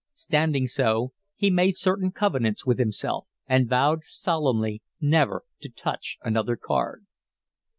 Standing so, he made certain covenants with himself, and vowed solemnly never to touch another card.